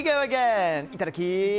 いただき！